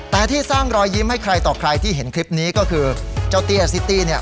แต่ที่สร้างรอยยิ้มให้ใครต่อใครที่เห็นคลิปนี้ก็คือเจ้าเตี้ยซิตี้เนี่ย